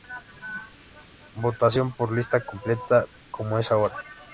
Votación por lista completa, como es ahora.